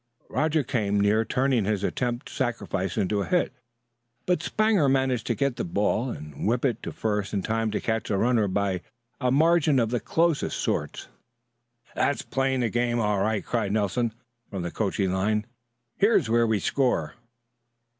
Roger came near turning his attempted sacrifice into a hit, but Sanger managed to get the ball and whip it to first in time to catch the runner by a margin of the closest sort. "That's playing the game, all right," cried Nelson from the coaching line. "Here's where we score."